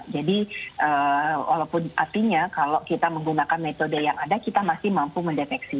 jadi walaupun artinya kalau kita menggunakan metode yang ada kita masih mampu mendeteksi